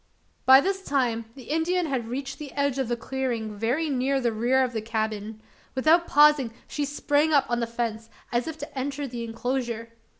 By this time the Indian had reached the edge of the clearing very near the rear of the cabin. Without pausing she sprang up on the fence as if to enter the enclosure.